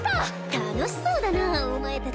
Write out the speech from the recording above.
・楽しそうだなお前たち。